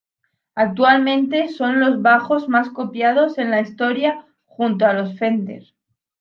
Actualmente son los bajos más copiados en la historia junto a los Fender.